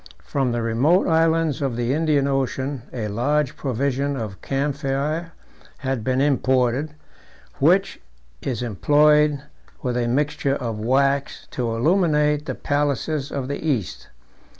From the remote islands of the Indian Ocean a large provision of camphire 25 had been imported, which is employed with a mixture of wax to illuminate the palaces of the East.